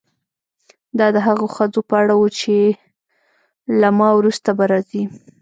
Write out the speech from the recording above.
دا د هغو ښځو په اړه وه چې له ما وروسته به راځي.